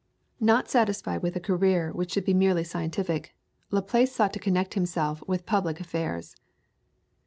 Not satisfied with a career which should be merely scientific, Laplace sought to connect himself with public affairs.